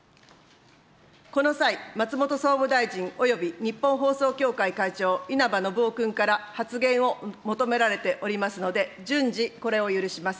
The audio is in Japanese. この際、松本総務大臣、および日本放送協会会長、稲葉延雄君から発言を求められておりますので、順次、これを許します。